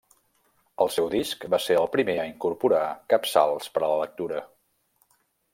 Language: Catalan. El seu disc va ser el primer a incorporar capçals per a la lectura.